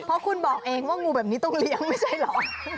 เพราะคุณบอกเองว่างูแบบนี้ต้องเลี้ยงไม่ใช่เหรอ